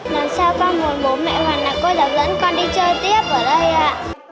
làm sao con muốn bố mẹ hoặc là cô giáo dẫn con đi chơi tiếp ở đây ạ